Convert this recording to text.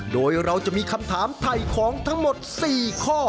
โดยเราจะมีคำถามไถ่ของทั้งหมด๔ข้อ